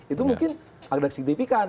itu mungkin agak signifikan